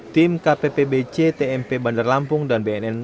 tim kppbc tmp bandar lampung dan bnn